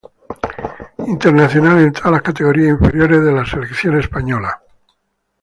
Internacional en todas las categorías inferiores de la selección española.